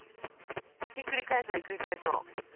ひっくり返そうひっくり返そう。